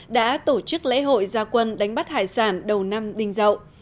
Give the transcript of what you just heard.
đã tổ chức lễ hội gia quân đánh bắt hải sản đầu năm đình dậu